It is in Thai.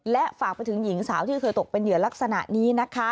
และฝากไปถึงหญิงสาวที่เคยตกเป็นเหยื่อลักษณะนี้นะคะ